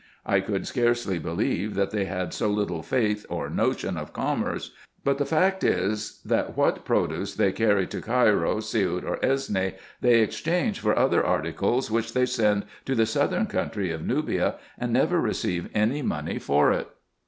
I could scarcely believe, that they had so little faith, or notion of commerce : but the fact is, that what pro duce they carry to Cairo, Siout, or Esne, they exchange for other articles, which they send to the southern country of Nubia, and never receive any money for it.